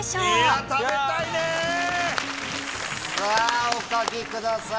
さぁお書きください。